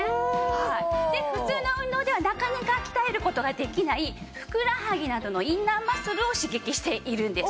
普通の運動ではなかなか鍛える事ができないふくらはぎなどのインナーマッスルを刺激しているんです。